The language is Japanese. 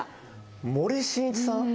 森進一さん？